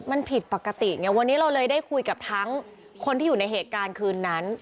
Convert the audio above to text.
มันผิดปกติไงวันนี้เราเลยได้คุยกับทั้งคนที่อยู่ในเหตุการณ์คืนนั้น